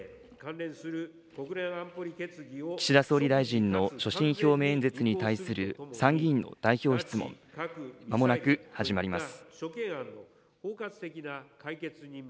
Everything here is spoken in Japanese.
岸田総理大臣の所信表明演説に対する参議院の代表質問、まもなく始まります。